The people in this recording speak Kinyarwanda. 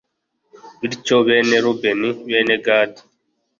bityo bene rubeni, bene gadi